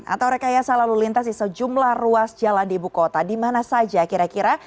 atau rekayasa lalu lintas di sejumlah ruas jalan di ibu kota di mana saja kira kira